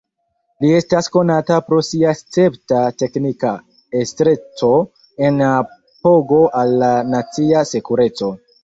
Li estas konata pro sia escepta teknika estreco en apogo al la nacia sekureco.